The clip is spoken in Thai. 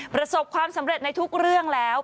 ประสบความสำเร็จในทุกเรื่องแล้ว